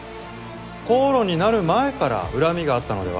口論になる前から恨みがあったのでは？